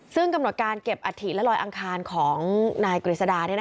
ซึ่งกำหนดการเก็บอัฐิและลอยอังคารของนายกฤษดา